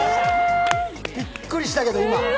びっくりしたけど今。